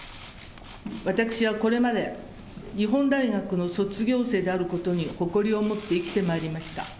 私はこれまで日本大学の卒業生であることに誇りを持って生きてまいりました。